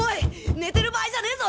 寝てる場合じゃねぇぞ！！